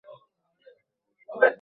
ভিতরে আসো, বাবা।